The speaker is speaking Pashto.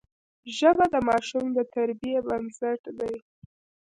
ژبه د ماشوم د تربیې بنسټ دی